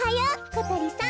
ことりさん。